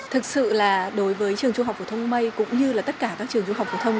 thực sự là đối với trường trung học phổ thông mây cũng như là tất cả các trường trung học phổ thông